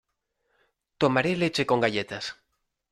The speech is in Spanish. Tomaré leche con galletas.